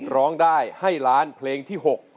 ร้องได้ให้ล้านเพลงที่๖